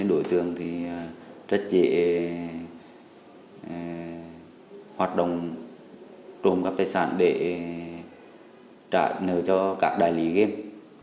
đối tượng rất dễ hoạt động trộm cắp tài sản để trả nợ cho các đài lý game